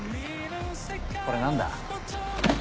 これ何だ？